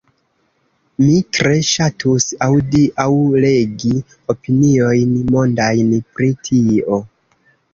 Mi tre ŝatus aŭdi aŭ legi opiniojn mondajn pri tio...